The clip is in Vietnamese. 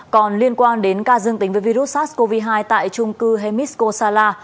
còn liên quan đến ca dương tính với virus sars cov hai tại trung cư hemisco sala